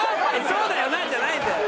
「そうだよな！」じゃないんだよ。